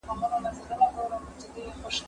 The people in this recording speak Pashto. زه له سهاره لوښي وچوم.